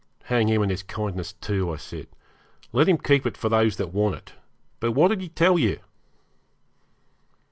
'Hang him, and his kindness too,' I said. 'Let him keep it for those that want it. But what did he tell you?'